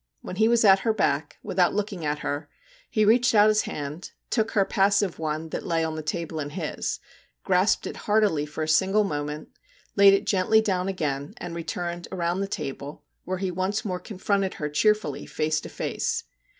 When he was at her back, without looking at her, he reached out his hand, took her passive one that lay on the table in his, grasped it heartily for a single moment, laid it gently down again, and re turned around the table, where he once more confronted her cheerfully face to face.